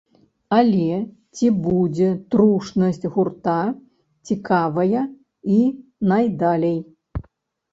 Але ці будзе трушнасць гурта цікавая і найдалей?